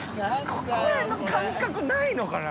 ここら辺の感覚ないのかな？